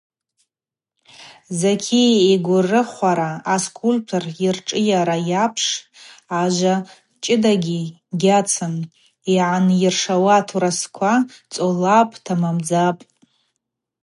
Заки йгврыхвара аскульптор йыршӏыйара йапшпӏ – ажва чӏыдакӏгьи гьацым, йгӏанйыршауа атурасква цӏолапӏ, тамамдзапӏ.